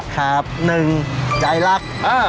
ครับ๑ใจรัก